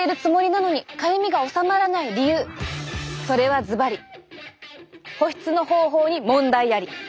それはずばり！保湿の方法に問題あり！